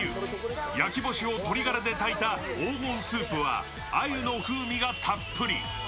焼き干しを鶏がらで炊いた黄金スープは鮎の風味がたっぷり。